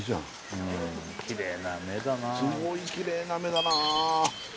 すごいきれいな目だなぁ。